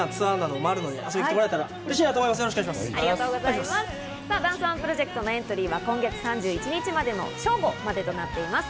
ダンスＯＮＥプロジェクトのエントリーは今月３１日の正午までとなっております。